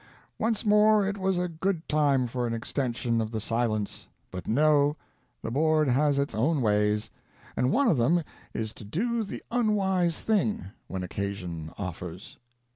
Once more it was a good time for an extension of the silence. But no ; the Board has its own ways, and one of them is to do the 534 THE NORTH AMERICAN REVIEW. unwise thing, when occasion offers.